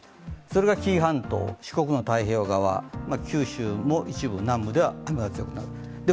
それが紀伊半島、四国の太平洋側、九州も一部南部では雨が強くなる。